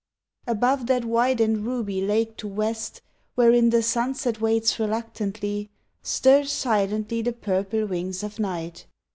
Above that wide and ruby lake to West Wherein the sunset waits reluctantly. Stir silently the purple wings of Night.